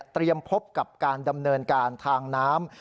พบกับการดำเนินการทางน้ำ